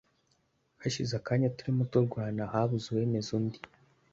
hashize akanya turimo kurwana habuze uwemeza undi